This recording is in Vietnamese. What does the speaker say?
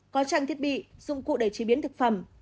có trang thiết bị dụng cụ để chế biến thực phẩm